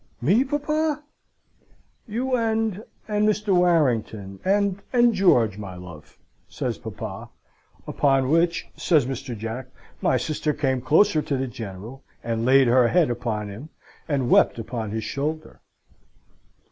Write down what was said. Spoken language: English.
"'Me, papa?' "'You and and Mr. Warrington and and George, my love,' says papa. Upon which" (says Mr. Jack). "my sister came closer to the General, and laid her head upon him, and wept upon his shoulder.